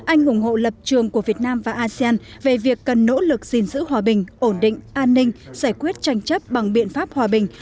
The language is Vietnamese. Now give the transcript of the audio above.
anh ủng hộ lập trường của việt nam và asean về việc cần nỗ lực gìn giữ hòa bình ổn định an ninh giải quyết tranh chấp bằng biện pháp hòa bình